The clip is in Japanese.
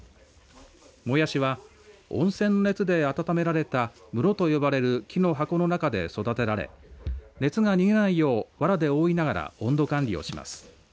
もやしは温泉の熱で温められた室と呼ばれる木の箱の中で育てられ熱が逃げないようわらで覆いながら温度管理をします。